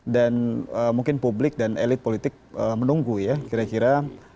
dan mungkin publik dan elit politik menunggu ya kira kira